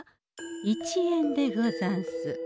１円でござんす。